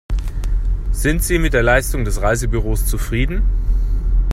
Sind Sie mit der Leistung des Reisebüros zufrieden?